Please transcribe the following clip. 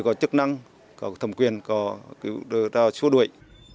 có chức năng có thẩm quyền có đồ đào suốt đuổi